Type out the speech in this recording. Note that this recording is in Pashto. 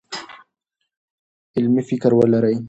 علمي فکر ولرئ.